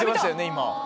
今。